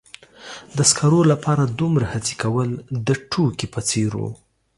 د سکرو لپاره دومره هڅې کول د ټوکې په څیر و.